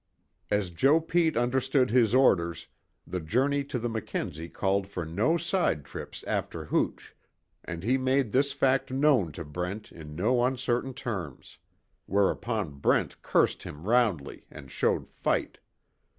As Joe Pete understood his orders, the journey to the Mackenzie called for no side trips after hooch, and he made this fact known to Brent in no uncertain terms. Whereupon Brent cursed him roundly, and showed fight.